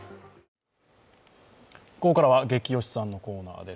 ここからは「ゲキ推しさん」のコーナーです。